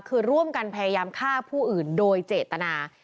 คือร่วมกันพยายามฆ่าผู้อื่นโดยเจตนา